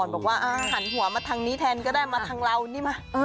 บอกว่าอะหันหัวมาทางนี้แทนก็ได้